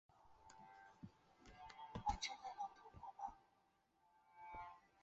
本作是描写漫画家爱徒勇气和助手足须沙穗都的日常生活的喜剧作品。